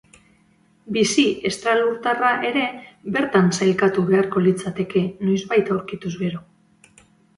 Bizi estralurtarra ere bertan sailkatu beharko litzateke, noizbait aurkituz gero.